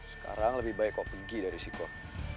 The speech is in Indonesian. sekarang lebih baik kau pergi dari sini kok